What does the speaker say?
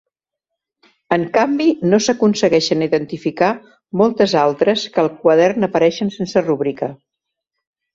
En canvi no s'aconsegueixen identificar moltes altres que al quadern apareixen sense rúbrica.